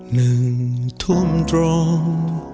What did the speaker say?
หนึ่งทุ่มตรง